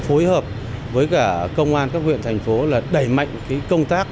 phối hợp với cả công an các huyện thành phố là đẩy mạnh công tác